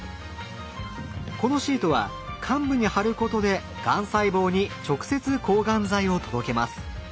このシートは患部に貼ることでがん細胞に直接抗がん剤を届けます。